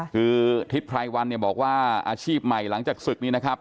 คือทฤษภัย๑บอกว่าอาชีพใหม่หลังจากศึกนี้นะครับ